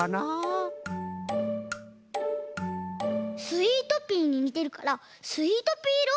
スイートピーににてるからスイートピーいろ？